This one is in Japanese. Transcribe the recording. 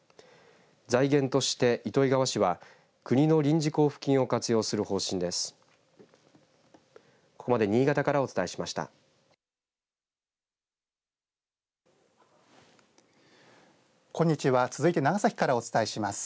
財源として、糸魚川市は国の臨時交付金を活用する方針です。